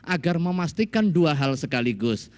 agar memastikan dua hal sekaligus